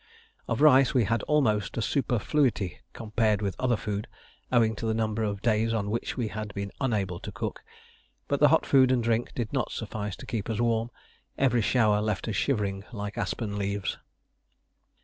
Of rice we had almost a superfluity compared with other food, owing to the number of days on which we had been unable to cook. But the hot food and drink did not suffice to keep us warm: every shower left us shivering like aspen leaves.